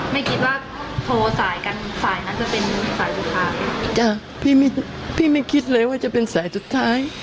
ไม่คิดว่าโทรสายกันฝ่ายนั้นจะเป็นสายสุดท้ายจ้ะพี่ไม่พี่ไม่คิดเลยว่าจะเป็นสายสุดท้าย